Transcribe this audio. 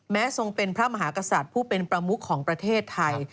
ทรงเป็นพระมหากษัตริย์ผู้เป็นประมุขของประเทศไทย